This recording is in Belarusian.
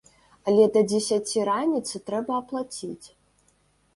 Але да дзесяці раніцы трэба аплаціць!